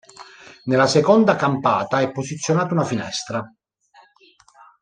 Nella seconda campata è posizionata una finestra.